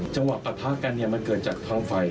จังหวะประทะกันเนี่ยมันเกิดจากทางไฟ